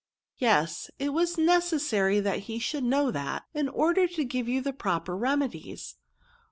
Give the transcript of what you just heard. '^ Yes ; it was necessary that he should know that, in order to give you proper re medies.